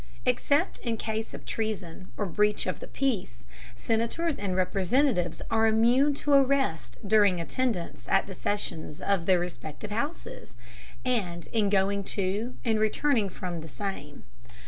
Except in case of treason or breach of the peace, Senators and Representatives are immune to arrest during attendance at the sessions of their respective houses, and in going to and returning from the same.